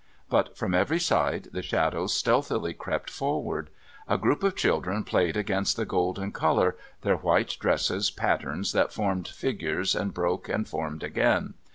But from every side the shadows stealthily crept forward. A group of children played against the golden colour, their white dresses patterns that formed figures and broke and formed again.